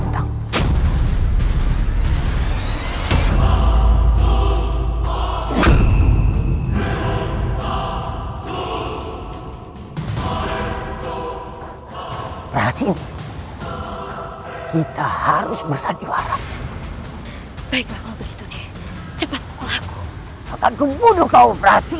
cepat pukul aku atau aku bunuh kau pratsi